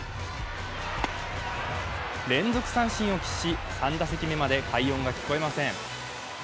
連続三振を喫し３打席目まで快音が聞かれません。